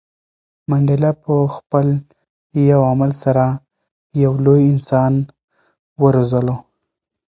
منډېلا په خپل یو عمل سره یو لوی انسان وروزلو.